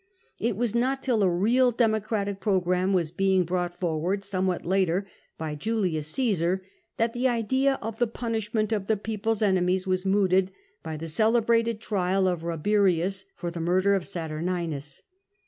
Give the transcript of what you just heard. It was not till a real Democratic programme was being brought forward, somewhat later, by Julius Caesar, that the idea of the punishment of the people's enemies was mooted, by the celebrated trial of Eabirius for the murder of Saturninus.